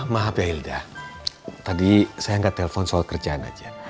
maaf ya hilda tadi saya angkat telepon soal kerjaan aja